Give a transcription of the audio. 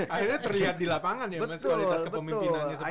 akhirnya terlihat di lapangan ya mas